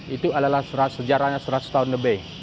itu adalah sejarahnya seratus tahun lebih